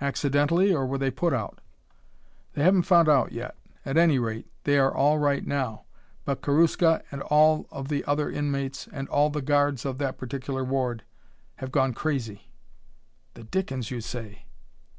"Accidentally, or were they put out?" "They haven't found out yet. At any rate they are all right now, but Karuska and all of the other inmates and all the guards of that particular ward have gone crazy." "The dickens you say!"